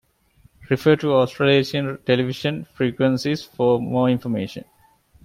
Refer to Australasian television frequencies for more information.